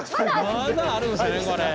まだあるんですよねこれ。